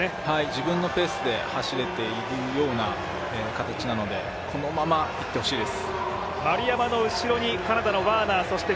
自分のペースで走れているような形なので、このままいってほしいです。